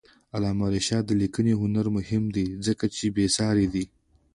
د علامه رشاد لیکنی هنر مهم دی ځکه چې بېسارې دی.